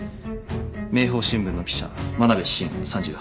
明報新聞の記者真鍋伸３８歳。